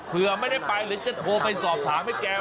เพื่อไม่ได้ไปหรือจะโทรไปสอบถามให้แก